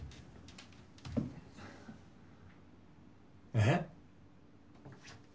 えっ？